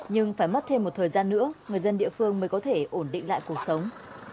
nhưng phải mất thêm một thời gian nữa người dân địa phương mới có thể ổn định lại cuộc sống